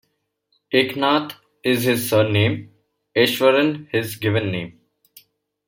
"Eknath" is his surname, "Easwaran" his given name.